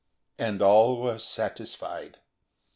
And all were satisfied.